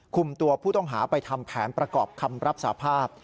คุมตัวผู้ต้องหาไปทำแผนประกอบคำรับสาภาพ